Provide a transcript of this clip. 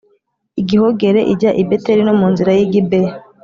igihogere ijya i Beteli no mu nzira y i Gibeya